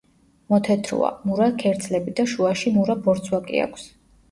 მოთეთროა, მურა ქერცლები და შუაში მურა ბორცვაკი აქვს.